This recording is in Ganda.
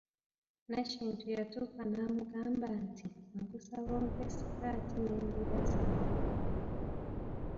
Nakintu yatuuka n'amugamba nti, nkusaba ompe sikaati n'embira zange.